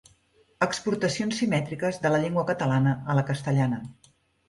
Exportacions simètriques de la llengua catalana a la castellana.